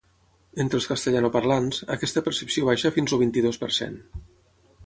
Entre els castellanoparlants, aquesta percepció baixa fins el vint-i-dos per cent.